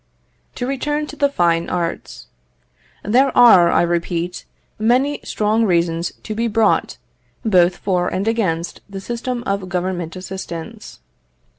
To return to the fine arts. There are, I repeat, many strong reasons to be brought, both for and against the system of government assistance.